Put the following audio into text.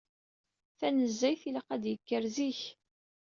Tanezzayt ilaq ad d-yekker zik.